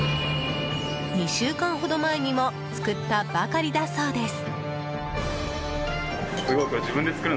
２週間ほど前にも作ったばかりだそうです。